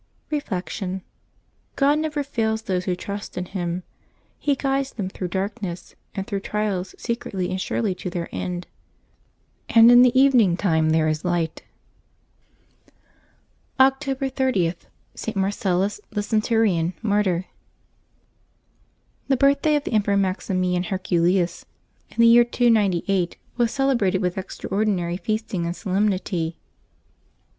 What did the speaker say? Reflection. — God never fails those who trust in Him; He guides them through darkness and through trials se cretly and surely to their end, and in the evening time there is light. October 31] LIVES OF THE SAINTS 347 October 30— ST. MARCELLUS, THE CEN TURION, Martyr. ^^HB birthday of the Emperor Maximian Herculeus, in ^^ the year 298, was celebrated with extraordinary feast ing and solemnity.